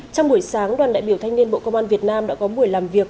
trong buổi sáng đoàn đại biểu thanh niên bộ công an việt nam đã có buổi làm việc